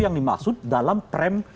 yang dimaksud dalam prem